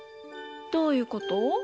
どういうこと？